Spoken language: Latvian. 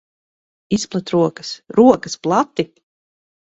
Izplet rokas. Rokas plati!